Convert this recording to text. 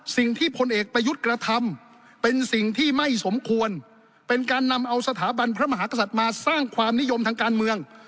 พลเอกประยุทธ์กระทำเป็นสิ่งที่ไม่สมควรเป็นการนำเอาสถาบันพระมหากษัตริย์มาสร้างความนิยมทางการเมือง